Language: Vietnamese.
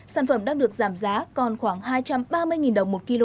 sản phẩm đang được giảm giá còn khoảng hai trăm ba mươi đồng một kg